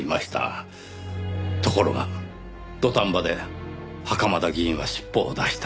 ところが土壇場で袴田議員は尻尾を出した。